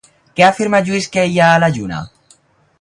Què afirma Lluís que hi ha a la lluna?